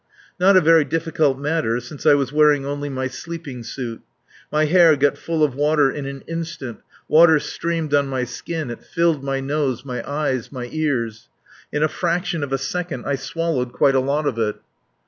Not a very difficult matter, since I was wearing only my sleeping suit. My hair got full of water in an instant, water streamed on my skin, it filled my nose, my ears, my eyes. In a fraction of a second I swallowed quite a lot of it.